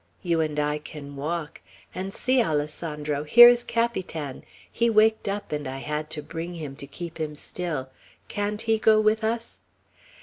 You and I can walk. And see, Alessandro, here is Capitan. He waked up, and I had to bring him, to keep him still. Can't he go with us?"